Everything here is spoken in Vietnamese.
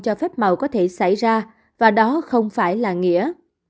cho phép màu có thể xảy ra và đó không phải là nghĩa